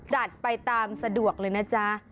จัดไปตามสะดวกเลยนะจ๊ะ